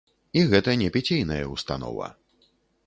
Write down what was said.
І гэта не піцейная ўстанова.